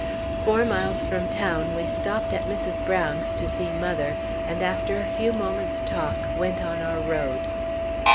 Four miles from town we stopped at Mrs. Brown's to see mother, and after a few moments' talk, went on our road.